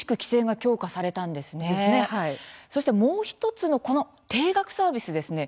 そして、もう１つのこの定額サービスですね